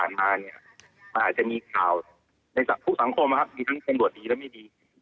ในการพูดสังคมสังคมบันบันดอดมีต้นนั้นไม่ดี